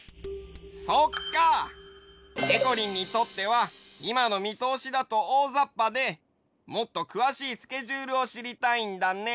そっか！でこりんにとってはいまのみとおしだとおおざっぱでもっとくわしいスケジュールをしりたいんだね。